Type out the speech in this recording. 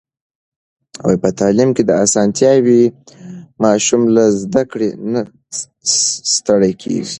په تعلیم کې اسانتيا وي، ماشوم له زده کړې نه ستړی کوي.